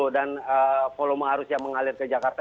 dan volume arus yang mengalir ke jakarta